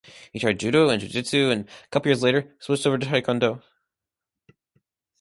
He tried Judo and Jujutsu and couple years later switched over to taekwondo.